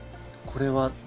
これは？